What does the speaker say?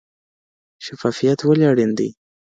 شفافیت ولي اړین دی؟